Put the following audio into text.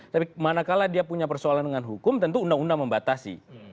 tapi manakala dia punya persoalan dengan hukum tentu undang undang membatasi